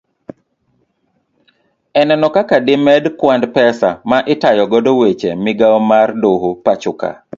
Eneno kaka demed kwand pesa ma itayo godo weche migao mar doho pachoka